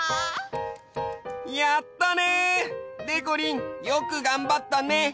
やったね！でこりんよくがんばったね。